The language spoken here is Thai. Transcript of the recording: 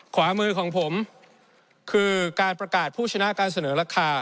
ขวามือของผมคือการประกาศผู้ชนะการเสนอราคา